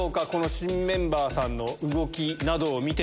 新メンバーさんの動きなどを見て。